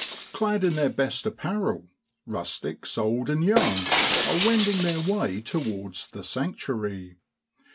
Clad in their best apparel, rustics old and young are wend ing their way towards the sanctuary.